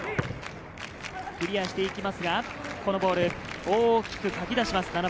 クリアして行きますがこのボール、大きくかき出します。